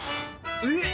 えっ！